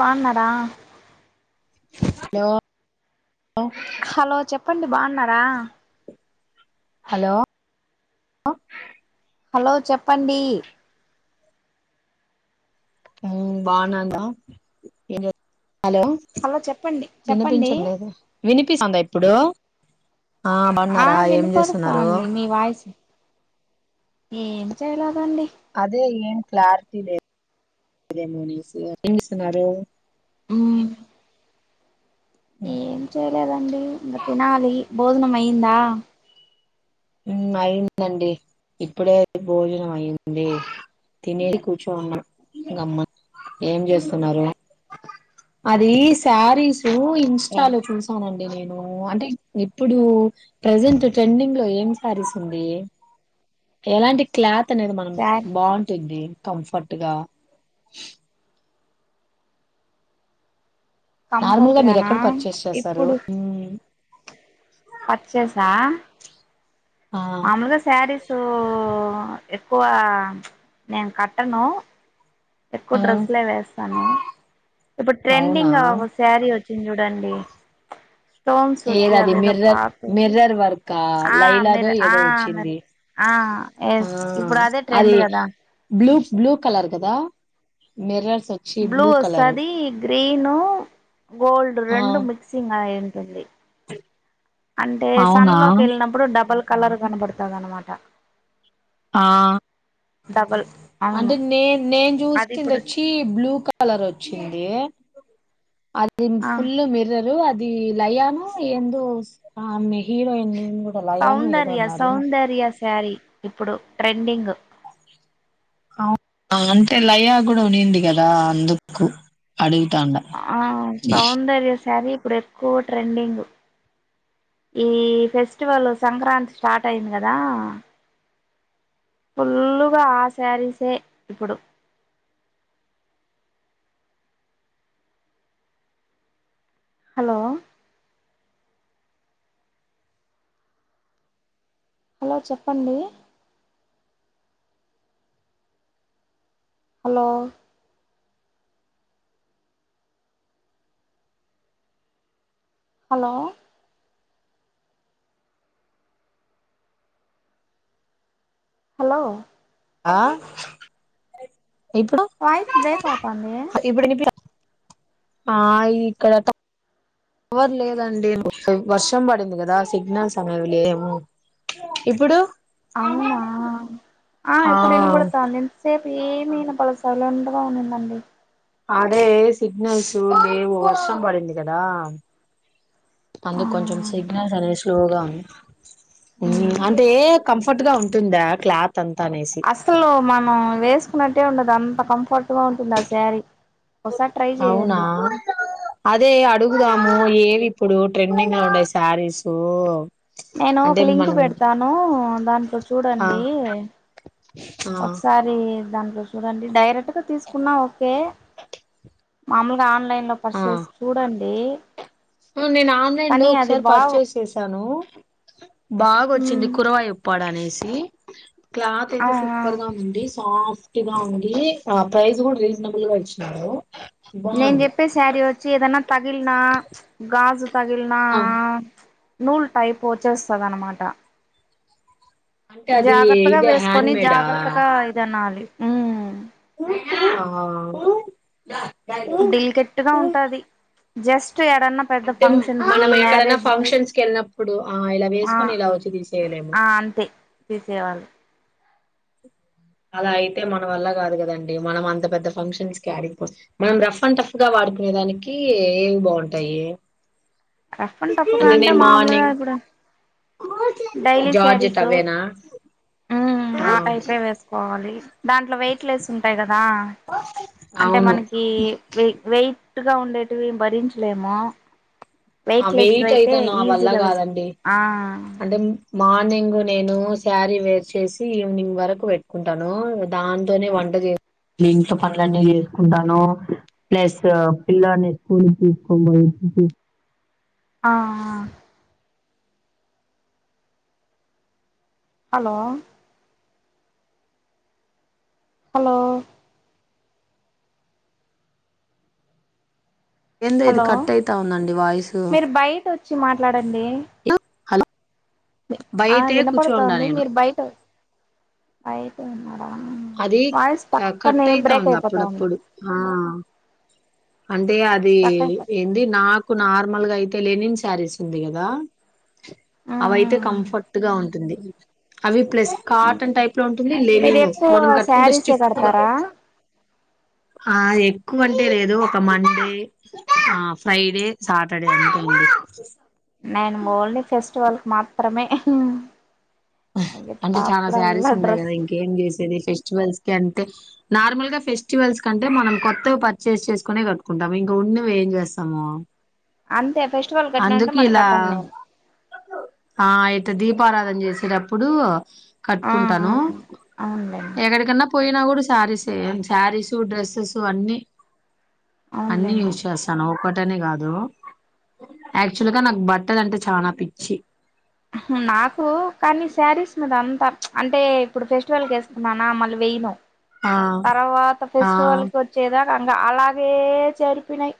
బాగున్నారా hello hello చెప్పండి బాగున్నారా హలో హలో చెప్పండి బాగున్నాను ఏ హలో హలో చెప్పండి చెప్పండి వినిపించట్లేదా వినిపిస్తుందా ఇప్పుడు ఆ ఆ బాగున్నారా ఏం చేస్తున్నారు వినపడుతాంది మీ వాయిస్ ఏం చెయలేదు అండి అదే ఏం క్లారిటీ లేదుదేోనీస్ ఏం చేస్తున్నారు అ ఏం చేయలేదండి ఇంకా తినాలి బోజనం అయ్యిందా అయిందండి ఇప్పుడే భోజనం అయి్యంది తినేసి కూర్చోన్నా గమ్మ ఏం చేస్తున్నారు అది శారీ ఏ ఇన్స్టాలో చూసానండి నేను అంటే ఇప్పుడు ప్రెజెంట్ ట్రెండింగ్ లో ఏం ారీస్ ఎలాంటి క్లాత్ అనేది మనం సార్ బాగుంటుంది కంఫర్ట్గా నార్మల్ కంఫర్ట్ గా మీరు గానా ఎక్కడ పర్చేస్ చేస్తారు పర్చేస్ ఆ ఆ మాములుగ శారీసు ఎక్కువ నేను కట్టను ఎక్కువ ఆ డ్రెస్లే వేస్తాను ఇప్పుడు అవునా ట్రెండింగ్ ఒక శారీ వచ్చింది చూడండి స్టోన్స్ వచ్చి ఏది అది అదేదో మిర్రర్ క్లాత్ మిర్రర్ వర్క్ ఆ లైలదో మీరు ఆ ఏదో మీరు వచ్చింది ఆ ఎస్ ఇప్పుడు అదే ట్రెండ్ అది కదా బ్లూ బ్లూ కలర్ కదా మిర్రర్ బ్లూ వస్తాది గ్ ఈను గోల్డ్ ఆ రెండు మిక్సింగ్ ఆయిల్ తొంగి అంటే అవునా సన్లోకి వెళ్ళినప్పుడు డబల్ కలర్ కనబడతాది అనమాట ఆ డబల్ అవును అంటే నే నేను అది చూసింది ఇప్పుడు వచ్చి బ్లూ కలర్ వచ్చింది అది ఆ ఫుల్ మిర్రరు అది ఇది లయాను ఎందో ఆ ఆమ్ హీరోయిన్ కూడా లయాను ఏదో సౌందర్య అన్నారు సౌందర్య స్యారీ ఇప్పుడు ట్రెండింగ్ అ అంటే లయా కూడా ఉనింది కదా అందుకు అడుగుతాండ ఆ సౌందర్య స్యారీ ఇప్పుడు ఎక్కువ ట్రెండింగ్ ఈ ఫెస్టివల్ సంక్రాంతి స్టార్ట్ అయింది కదా ఫుల్లుగా ఆ స్యారీసే ఇప్పుడు హలో హలో చెప్పండి హలో హలో హలో ఆ ఇప్పుడు వాయిస్ బ్రేక్ అవుతాంది ఇప్పుడు వినిపి ఆ ఇక్కడ త పవర్ లేదండి వర్షం పడింది కదా సిగ్నల్స్ అనేవి లేవు ఇప్పుడు అవునా ఆ ఇప్పుడు ఇనపడతాంది ఇంతసేప్ మీనపల్ల సైలెంట్గా ఉన్నిందండి అదే సిగ్నల్స్ లేవు వర్షం పడింది కదా ఆ అందుక్కొంచెం సి అయినా సరే స్లోగా ఉంది ఉమ్ మ్ అంటే ఏ కంఫర్ట్ గా ఉంటుందా క్లాత్ అంతా అనేసి అసలు మనం వేసుకున్నట్టు టే ఉండదు కం కంఫర్ట్గా ఉంటుంది ఆ స్యారీ ఒకసారి ట్రై అవునా చేయండి అదే అడుగుదాము ఏవిప్పుడు ట్రెడింగ్ ఉండే స్యారీసూ నేను ఒక లింక్ పెడతానూ దాంట్లో ఆ చూడండీ ఆ ఒకసారి దాంట్లో చూడండి డైరెక్టగా తీసుకున్నా ఓకే మాము ఆన్లైన్ లో పరిచేసి చూడండి ఏ ఆ నేను ఆన్లైన్ లో ఒకసారి పర్చేస్ చేసాను బాగొచ్చింది ఉమ్ కురవాయ ఉప్పాడు అనేది సీ క్లాత్ ఆ అయితే ఆ సూపర్ గా ఉంది సాఫ్ట్ టిగా ఉంది ఆ ప్రైజ కూడా రీజనబుల్గా ఇచ్చినాడు నేన్ చెప్పే సారీ వచ్చి ఏదన్నా తగిల్నా గాజు పగిల్నా ఆ నూల్ టైప్ వచ్చేస్తది అన్నమాట అంటే అది జాగ్రత్తగా ఇదే హ్యాండ్ వేసుకొని మేడా జాగ్రత్తగా ఇది అనాలి హా బడిల్ కెట్టుగా ఉంటాది జస్ట్ ఎడన్నా పెద్ద అంటే ఫంక్షన్ కి మనం ఎక్కడైనా మ్యారేజ్ కి ఫంక్షన్స్ క వెళ్ళినప్పుడు ఆ ఇలా ఆ వేసుకొని ఇలా వచ్చి తీసేయలేమో ఆ అంతే తీసేవాళ్ళు అలా అయితే మన వల్ల కాదు కదండి మనం అంత పెద్ద ఫంక్షన్స్ క ఆడిపో మనం రఫ్ అండ్ టఫ్ గా వాడుకునే దానికి ఏవి బాగుంటాయి రఫం టాఫుగా అంటే నేను మామూలుగా మార్నింగ్ ఇప్పుడు డైలీ జార్జెట్ శారీసు అవేనా హమ్ ఆ టైపే వేసుకోవాలి దాంట్లో వెయిట్ లెస్ ఉంటాయి కదా అంటే అవును మనకి వైయ్ వెయిట్ టుగా ఉండేట్వి భరించలేము ఆ వెయిట్లెస్ వెయిట్ అయితే నా వల్ల ఈజీగా వేసుకో కాదండి ఆ అంటే మార్నింగ్ నేను శారీ వేర్ చేసి ఈవినింగ్ వరకు పెట్టుకుంటాను దాంతోనే వంట చేస్త లింట్ పనులన్న చేసుకుంటాను ప్లస్ పిల్లని స్కూల్ తీసుకొని ఆ హలో హలో ఎందొ ఇది హలో కట్ అయితా ఉందండి వాయిసు మీరు బయట వచ్చి వి ఆ వినపడుతాంది నేను మీరు బయట అయితే అది కట్ అయితా బ్రేక్ ఉంది అయిపోతా అప్పుడప్పుడు ఆ అంటే అదీ స్టక్ అయిపోతుంది ఏంది నా నార్మల్ గా అయితే లేనిని శారీస్ ఉంది కదా మ్మ్ అవియితే మ్మ్ మ్మ్ కంఫర్ట్గా ఉంటుంది అవి ప్లస్ కాటన్ టైప్ లో ఉంటుంది లెనింగ్ లో సారీసే కడతారా ఆ ఎక్కువ అంటే లేదు ఒక మండే ఆ ఫ్రైడే సాటర్డే అంటే లేదు నేను ఓన్లీ ఫెస్టివల్ మాత్రమే మిగతా అంటే చాలా అప్పుడల్లా శారీస్ ఉండయి కదా డ్రెస్సులు ఇంకేం చేసేది ఫెస్ట్ ఫెస్టివల్స్ కి అంటే నార్మల్ గా ఫెస్టివల్స్ కంటే మనం కొత్తగా పర్చేస్ చేసుకునే కట్టుకుంటాము ఇంకా ఉండేేవి చేస్తాము అంతే ఫెస్టివల్ కట్టినాంటే అందుకు మళ్ళీ ఇలా కట్టను నేను ఆ అయితే దీపారాధన చేసిటప్పు ఇప్పుడు ఆ ఆ కట్టుకుంటాను అవునులేండి ఎక్కడికన్నా పోయి కూడా శారీస్ శారీస్ డ్రెస్సెస్ అన్నిీ అన్ని అవునులేండి యూస్ చేస్తాను ఒకటి బట్టనే కాదు యాక్చువల్ గా నాకు బట్టలంటే చానా పిచ్చి నాకు కానీ శారీస్ మీద అంతా అంటే ఇప్పుడు ఫెస్టివల్కి వేసుకున్నానా మళ్ళీ వేయను ఆ తర్వాత ఆ ఫెస్టివల్ కి వచ్చేదా రంగా అలాగే చేరిపినాయి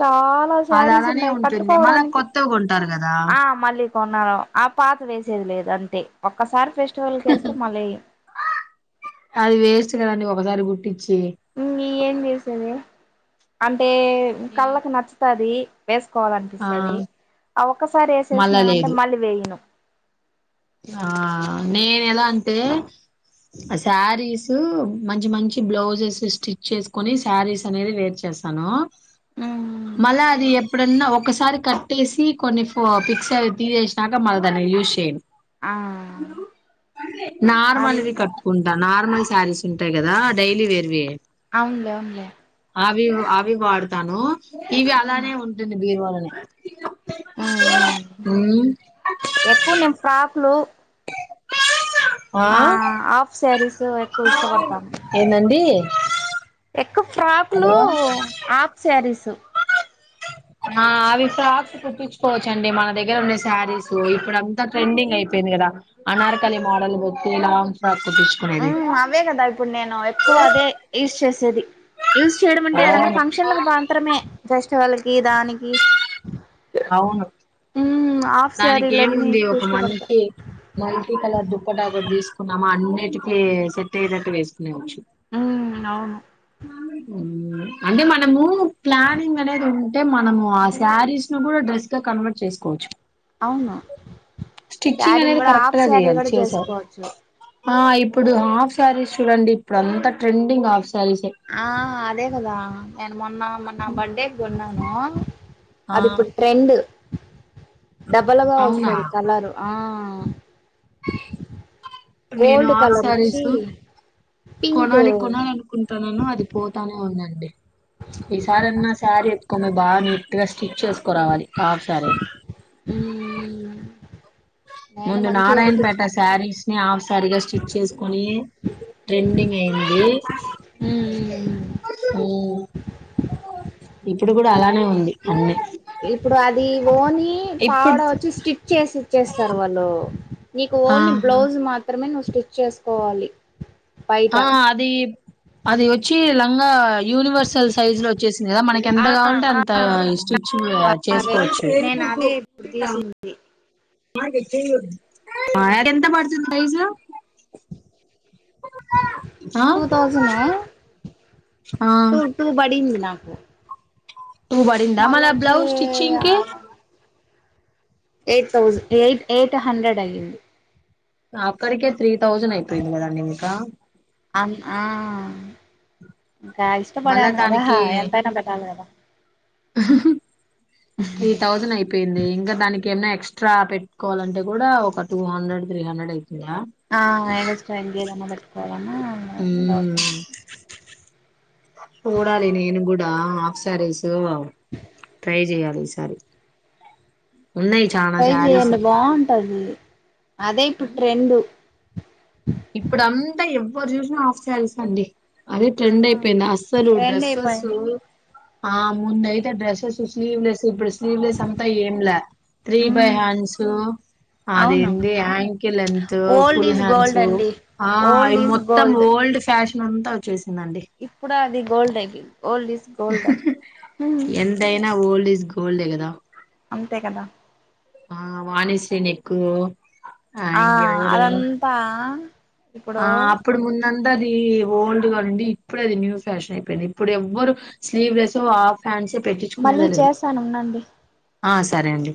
చాలా అది శారీస్ అలానే ఉన్నాయి ఉంటుంది మళ్ళా కట్టుకోవడానికి కొత్తవి కొంటారు కదా ఆ మలిక్ కొన్నార ఆ పాత వేసేది లేదు అంతే ఒక్కసారి ఫెస్ట్ అది వేస్ట్ కదండి ఒక ఒకసారి గుట్ ఏం చేసేది అంటే కళ్ళకు నచ్చుతది ఆ వేసుకోవాలనిపిస్తుది ఆ ఒక్కసారి మళ్ళా వేసేసిననంటే లేదు మళ్ళీ వేయను ఆ నేను ఎలా అంటే సారీస్ మంచి మంచి బ్లౌజెస్ స్టిచ్ చేసుకుొని శారీస్ అనేది వేర్ చేస్తాను మళ్ళా అది ఎప్పుడన్నా ఒకసారి కట్టేసి కొన్ని ఫ పిక్స్ అ తీసేసినాక మళ్ళీ దాన్ని యూస్ చేయను ఆ మళ్ళీ నార్మల్వి కట్టుకుంటా నార్మల్ శారీస్ ఉంటాయి కదా డైలీ వేర్వి అవునులే అవునులే అవి అవి వాడతాను ఇవి మ్మ్ అలానే ఉంటుంది బీరువాళో [inaudible] ఎక్కువ నేను ఫ్రాకులు ఆ ఆఫ్ సారీస్ ఎక్కువ ఇష్టపడతాను ఏందండి ఒక ఫ్రాక్ లు హలో హాఫ్ శారీస్ ఆ అవి ఫ్రాక్స్ కుట్టించుకోవచ్చండి మన దగ్గర ఉండే శారీస్ ఇప్పుడు అంతా ట్రెండింగ్ అయిపోయింది కదా అనార్కాలి మోడల్ బట్టి లాంగ్ ఫ్రాక్ ఆ కుట్టించుకునేది అవే కదా ఇప్పుడు నేను ఎక్కువ అదే యూజ్ చేసేది యూజ్ చేయడం అంటే ఎడన్నా అవును ఫంక్షన్లకు మాత్రమే జస్ట్ లకి దానికి అవును మ్మ్ హాఫ్ దానికి శారీలన్నీ ఏముంది ఎక్కువ ఒక ఇష్టపడతా మంచి మల్టీ కలర్ దుప్పటా తీసుకు సుకున్నామా అన్నిటికీ సెట్ అయటట్టు వేసుకునేవచ్చు ఉ అవును అంటే మనము ప్లనింగ్ అనేది ఉంది అంటే మనము ఆ శారీస్ ను కూడా డ్రెస్ గా కన్వర్ట్ చేసుకోవచ్చు అవునా స్టిచ్చింగ్ శారీని అనేది కూడా హాఫ్ కరెక్ట్ గా శారీ చేయాలి కూడా చేసావు చేసుకోవచ్చు ఇప్పుడు హాఫ్ శారీస్ చూడండి ఇప్పుడు అంతా ట్రెండింగ్ హాఫ్ శారీసే ఆ అదే కదా మొన్న మన్న బడ్డే కి కొన్న [unintelligible] ఆ అది ఇప్పుడు ట్రెండ్ డబ్బలుగా అవునా వస్తంది కలర్ ఆ నేను గోల్డ్ ఆఫ్ కలర్ సారీస్ వచ్చి పింక్ కొనాలి ఉమ్ కొనాలి అనుకుంటున్నాను అది పోతానే ఉందండి ఈసారి అన్న సారి ఎత్తుకొని బాగా నీట్ గా స్టిచ్ చేస్ కోరావాలి ఆ సరే నేను ముందు మంచిగా నారాయణపేట కుట్టించు శారీస్ ని హాఫ్ సారీగా స్టిచ్ చేసుకుని ట్రెండింగ్ అయింది ఉమ్ [unintelligible] ఇప్పుడు కూడా అలానే ఉంది అన్నిీ ఇప్పుడు అది ఓని ఇప్పుడు పావడ వచ్చి స్టిచ్ చేసి చేస్తారు వాళ్ళు నీకు ఓన్లీ ఆ బ్లౌజ్ మాత్ర మాత్రమే నువ్వు స్టిచ్ చేసుకోవాలి బయట ఆ అది అది వచ్చి ఇంగా యూనివర్సల్ సైజు లో వచ్చేసింది కదా మనకి ఎంత ఆ కావాలంటే అంత ఆ స్టిచ్ అదే చేసుకోవచ్చు నేను అదే ఇప్పుడు తీసింది మాకెంత పడుతుంది సైజు ఆ టూతౌస్జన ఆ టు టూ బడిందినాక్ [unintelligible] టు పడిందా మళ్ల బ్లౌజ్ స్టిచింగ్కి eight thousand eight eight hundred అయ్యింది నా ఒక్కరికే త్రీ థౌసేన్ అయిపోయింది కదా అండి మీకా అన్ ఆ ఇంకా మళ్ళా ఇష్టపడాను కదా దానికి ఎంతైనా పెట్టాలి కదా త్రీ థౌసేన్ అయిపోయింది ఇంకా దానికి ఏమైనా ఎక్సట్రా పెట్టుకోవాలంటే కూడా ఒక టూ హండ్రెడ్ త్రీ హండ్రెడ్ అయిపో ఆ ఎగస్ట్రా ఇంకేదన్నా పెట్టుకోదనా [unintelligible] మ్మ్ చూడాలి నేను కూడా ఆఫ్ శారీస్ ఏవో ట్రై జేయాల ఈసారి ఉన్నాయి చానా ట్రై శారీస్ చెయండి బాగుంటది అదే ఇప్పుడు ట్రెండు ఇప్పోడ్చుసిన ఆఫ్ శారీసే అండి అదే ఆ ట్రెండ్ అయిపోయింది అస్సలు ట్రెండ్ డ్రెస్సస్ అయిపోయింది ఆ ముందైతే డ్రెసెస్ స్లీవ్ లేసు బ్రెష్ స్లీవ్లెస్ అంతా ఏంలే త్రీ బై హ్యాండ్స్ అవును అదేంది యాకిల్ లేంతు old full is gold hands అండి ఆ ఓల్డ్ ఇవ్ ఈజ్ మొత్తం గోల్డ్ ఓల్డ్ ఫ్యాషన్ అంతా వచ్చేసి ఇప్పుడు అది గోల్డ్ ఏదిగ్ old is golden is gold లే కదా అంతే కదా ఆ వాణిశ్రీ నీకు ఆ అదంతా ఇప్పుడు ఆ అప్పుడు ముందత ముందది ఓల్డ్ గా ఉండి ఇప్పుడు అది న్యూ ఫ్యాషన్ అయిపోయింది ఇప్పుడు ఎవ్వరు స్లీవ్లెస్ హాఫ్ హ్యాండ్సే మళ్ళీ పెట్టించుకునేదే లేదు చేస్తానుఉండండి. ఆ సరే అండి